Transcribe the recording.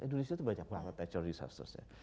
indonesia tuh banyak banget natural disasters ya